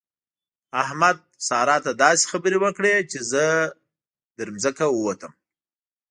احمد؛ سارا ته داسې خبرې وکړې چې زه تر ځمکه ووتم.